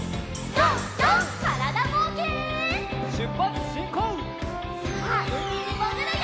さあうみにもぐるよ！